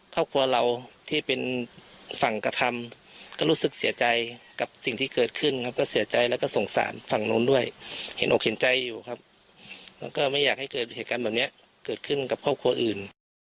ครอบครัวเราที่เป็นฝั่งกระทำก็รู้สึกเสียใจกับสิ่งที่เกิดขึ้นครับก็เสียใจแล้วก็สงสารฝั่งโน้นด้วยเห็นอกเห็นใจอยู่ครับแล้วก็ไม่อยากให้เกิดเหตุการณ์แบบนี้เกิดขึ้นกับครอบครัวอื่น